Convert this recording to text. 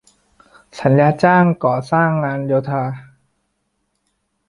สัญญาจ้างก่อสร้างงานโยธา